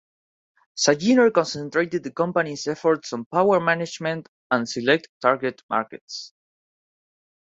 Sayiner concentrated the company's efforts on power management and select target markets.